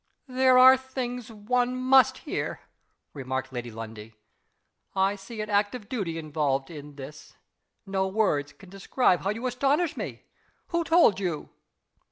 "There are things one must hear," remarked Lady Lundie. "I see an act of duty involved in this. No words can describe how you astonish me. Who told you?"